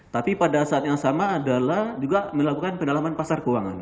tapi pada saat yang sama adalah juga melakukan pendalaman pasar keuangan